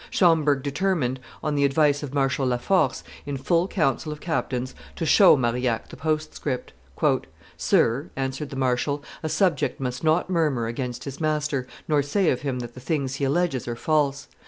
Schomberg determined, on the advice of Marshal La Force, in full council of captains, to show Marillac the postcript. "Sir," answered the marshal, "a subject must not murmur against his master, nor say of him that the things he alleges are false.